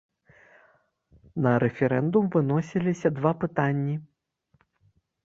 На рэферэндум выносіліся два пытанні.